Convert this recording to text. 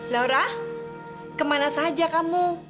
laura kemana saja kamu